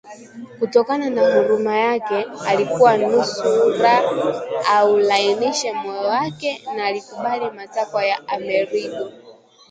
Kutokana na huruma yake, alikuwa nusura aulainishe moyo wake na akubali matakwa ya Amerigo